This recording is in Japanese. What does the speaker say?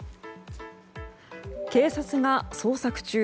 警察が捜索中。